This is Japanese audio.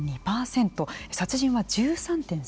殺人は１３．３％。